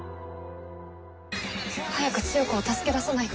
早く千世子を助け出さないと。